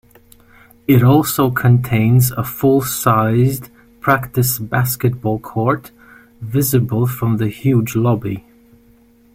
It also contains a full-sized practice basketball court, visible from the huge lobby.